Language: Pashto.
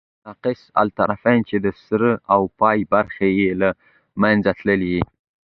ناقص الطرفین، چي د سر او پای برخي ئې له منځه تللي يي.